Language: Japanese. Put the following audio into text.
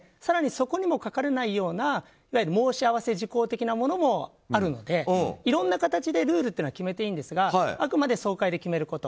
そこにも書かれないようないわゆる申し合わせ事項的なものもあるのでいろんな形でルールは決めていいんですがあくまで総会で決めること。